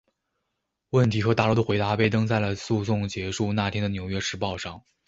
问题和达罗的回答被登在了诉讼结束那天的纽约时报上。